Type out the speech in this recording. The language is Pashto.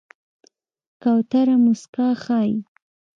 کوتره موسکا ښيي.